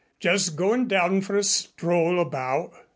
Just going down for a stroll about."